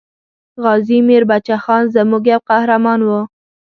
غازي میر بچه خان زموږ یو قهرمان وو.